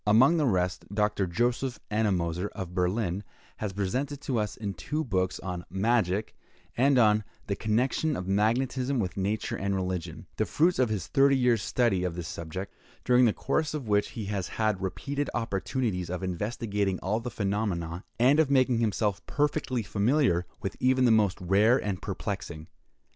Among the rest, Dr. Joseph Ennemoser, of Berlin, has presented to us in his two books on "Magic," and on "The Connection of Magnetism with Nature and Religion," the fruits of his thirty years' study of this subject—during the course of which he has had repeated opportunities of investigating all the phenomena, and of making himself perfectly familiar with even the most rare and perplexing.